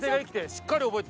しっかり覚えてた。